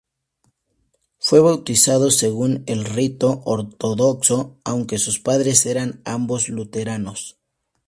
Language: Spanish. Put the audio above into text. Fue bautizado según el rito ortodoxo, aunque sus padres eran ambos luteranos.